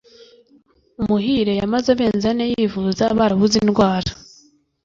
Umuhire yamaze amezi ane yivuza barabuze indwara